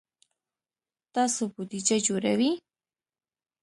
تاسو بودیجه جوړوئ؟